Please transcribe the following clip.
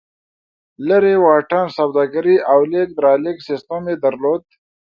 لرې واټن سوداګري او لېږد رالېږد سیستم یې درلود.